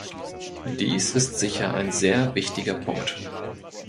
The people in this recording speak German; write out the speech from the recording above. Dies ist sicher ein sehr wichtiger Punkt.